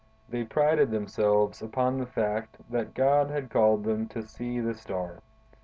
They prided themselves upon the fact that God had called them to see the Star.